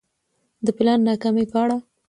د پلان ناکامي په اړه